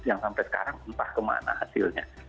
yang sampai sekarang entah kemana hasilnya